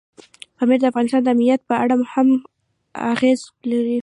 پامیر د افغانستان د امنیت په اړه هم اغېز لري.